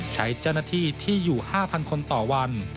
ใช้เจ้าหน้าที่ที่อยู่๕๐๐คนต่อวัน